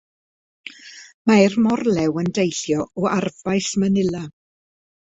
Mae'r Morlew yn deillio o arfbais Manila.